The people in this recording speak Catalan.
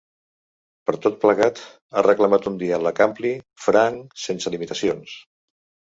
Per tot plegat, ha reclamat un diàleg ‘ampli, franc, sense limitacions’.